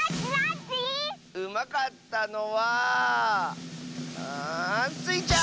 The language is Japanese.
うまかったのはうんスイちゃん！